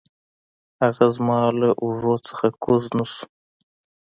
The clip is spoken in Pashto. هغه زما له اوږو نه کوز نه شو.